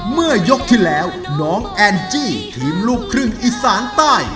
เมื่อยกที่แล้วน้องแอนจี้ทีมลูกครึ่งอีสานใต้